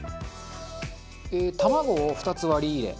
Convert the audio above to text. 卵を２つ割り入れ。